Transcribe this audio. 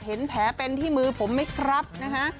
เห็นแผลเป็นที่มือผมไหมครับนะฮะ